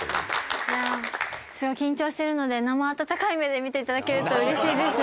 すごい緊張してるので生温かい目で見ていただけるとうれしいです。